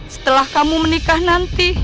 setelah kamu menikah nanti